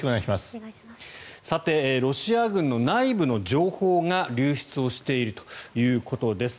さて、ロシア軍の内部の情報が流出をしているということです。